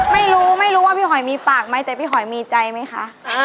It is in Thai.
ไม่รู้ว่าพี่หอยมีปากไหมแต่พี่หอยมีใจไหมคะ